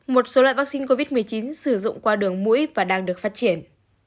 một số loại vaccine covid một mươi chín sử dụng qua đường mũi và đang được phát triển